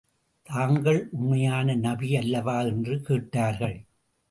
தாங்கள் உண்மையான நபி அல்லவா? என்று கேட்டார்கள்.